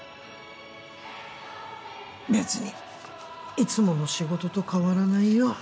別にいつもの仕事と変わらないよ